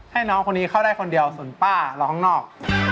ให้น้องคนนี้เข้าได้คนเดียวส่วนป้ารอข้างนอก